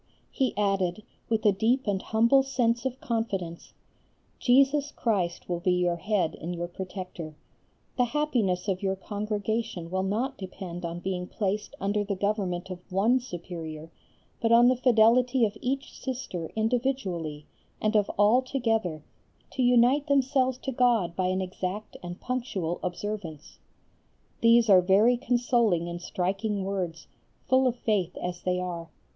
He added, with a deep and humble sense of confidence: "Jesus Christ will be your Head and your Protector the happiness of your Congregation will not depend on being placed under the government of one Superior, but on the fidelity of each Sister individually, and of all together, to unite themselves to God by an exact and punctual observance." These are very consoling and striking words, full of faith as they are.